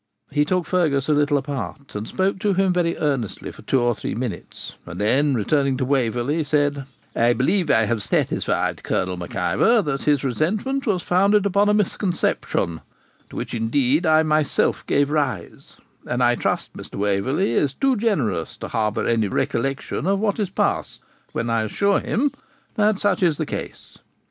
He took Fergus a little apart and spoke to him very earnestly for two or three minutes, and then returning to Waverley, said, 'I believe I have satisfied Colonel Mac Ivor that his resentment was founded upon a misconception, to which, indeed, I myself gave rise; and I trust Mr. Waverley is too generous to harbour any recollection of what is past when I assure him that such is the case.